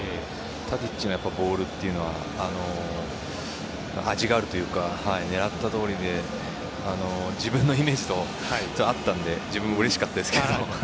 タディッチのボールは味があるというか狙ったとおりで自分のイメージと合ったので自分もうれしかったんですけど。